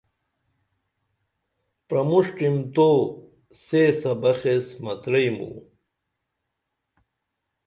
پرمُݜٹِم تو سے سبخ ایس متریئی موں